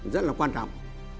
rất là quan trọng